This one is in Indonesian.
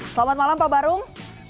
selamat malam pak barung